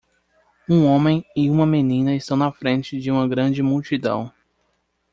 Um homem e uma menina estão na frente de uma grande multidão.